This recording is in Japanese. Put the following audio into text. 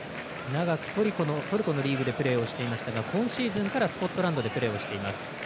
長くトルコのリーグでプレーをしていましたが今シーズンからスコットランドでプレーをしています。